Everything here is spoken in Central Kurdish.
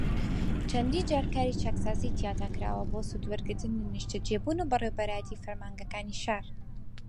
چەندین جار کاری چاکسازیی تیادا کراوە بۆ سوودوەرگرتن لە نیشتەجێبوون و بەڕێوبەرایەتیی فەرمانگەکانی شار